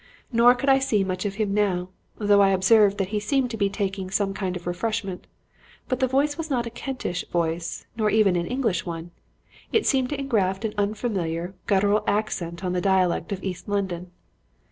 Nor could I see much of him now, though I observed that he seemed to be taking some kind of refreshment; but the voice was not a Kentish voice, nor even an English one; it seemed to engraft an unfamiliar, guttural accent on the dialect of East London.